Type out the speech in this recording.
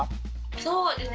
そうですね。